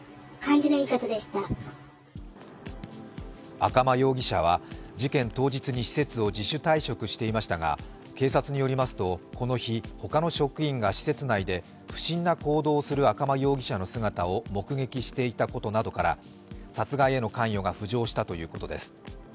赤間容疑者は事件当日に施設を自主退職していましたが、警察によりますとこの日、他の職員が施設内で不審な行動をする赤間容疑者の姿を目撃していたことなどから殺害への関与が浮上したということです。